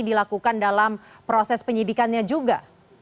dilakukan dalam proses penyidikannya juga